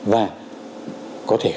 và có thể